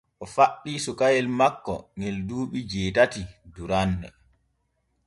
O faɗɗi cukayel makko ŋe duuɓi jeetati duranne.